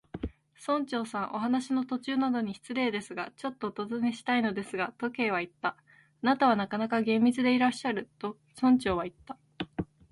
「村長さん、お話の途中なのに失礼ですが、ちょっとおたずねしたいのですが」と、Ｋ はいった。「あなたはなかなか厳密でいらっしゃる」と、村長はいった。